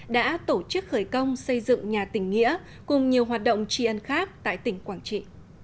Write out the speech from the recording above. đã tổ chức khởi công xây dựng nhà tỉnh nghĩa cùng nhiều hoạt động tri ân khác tại tỉnh quảng trị